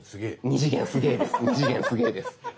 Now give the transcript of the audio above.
２次元すげぇです。